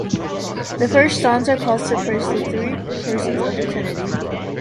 The first stanza calls to praise the three persons of the Trinity.